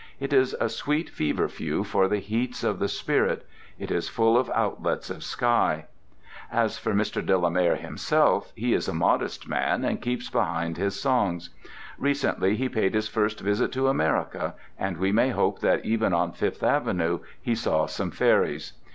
It is a sweet feverfew for the heats of the spirit, It is full of outlets of sky. As for Mr. de la Mare himself, he is a modest man and keeps behind his songs. Recently he paid his first visit to America, and we may hope that even on Fifth Avenue he saw some fairies.